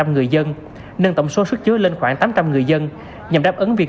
năm trăm linh người dân nâng tổng số sức chứa lên khoảng tám trăm linh người dân nhằm đáp ứng việc